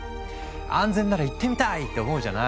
安全なら行ってみたい！って思うじゃない？